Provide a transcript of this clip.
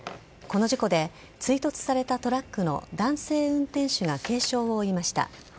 この事故で追突されたトラックの男性運転手が軽傷を負いました。